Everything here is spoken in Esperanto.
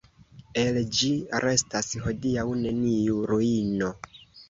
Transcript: El ĝi restas hodiaŭ neniu ruino.